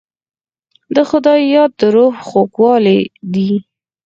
د خدای یاد د روح خوږوالی دی.